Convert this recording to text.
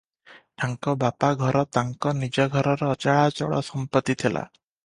ତାଙ୍କ ବାପା ଘର ତାଙ୍କ ନିଜ ଘରର ଅଚଳାଚଳ ସମ୍ପତ୍ତି ଥିଲା ।